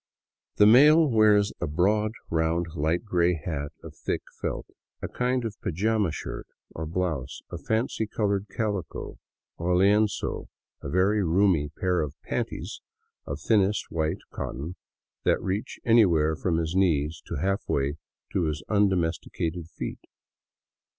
The male wears a broad, round, light gray hat of thick felt, a kind of pajama shirt or blouse of fancily colored calico, or lienso, a very roomy pair of '' panties " of thinnest white cot ton that reach anywhere from his knees to halfway to his undomesti cated feet.